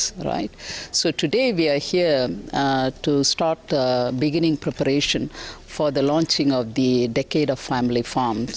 jadi hari ini kita berada di sini untuk memulai pempersiapan untuk penyelunjukan decade family farms